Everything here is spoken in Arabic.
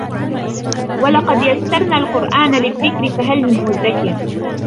ولقد يسرنا القرآن للذكر فهل من مدكر